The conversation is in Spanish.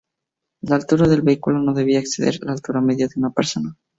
La altura del vehículo no debía exceder la altura media de una persona.